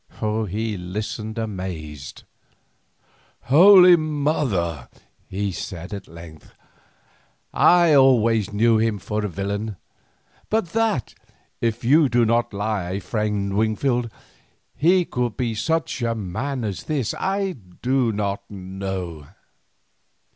He listened amazed. "Holy Mother!" he said at length, "I always knew him for a villain, but that, if you do not lie, friend Wingfield, he could be such a man as this, I did not know.